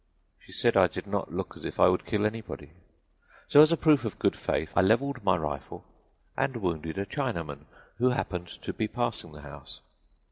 She said I did not look as if I would kill anybody, so, as a proof of good faith I leveled my rifle and wounded a Chinaman who happened to be passing the house.